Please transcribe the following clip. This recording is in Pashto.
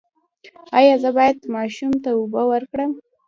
ایا زه باید ماشوم ته اوبه ورکړم؟